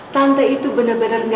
tante itu bener bener nyangka